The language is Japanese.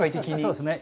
そうですね。